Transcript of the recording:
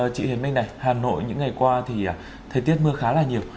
chị hiền minh này hà nội những ngày qua thì thời tiết mưa khá là nhiều